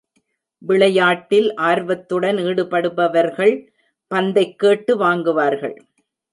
விளையாட்டில் ஆர்வத்துடன் ஈடுபடுபவர்கள் பந்தைக் கேட்டு வாங்குவார்கள்.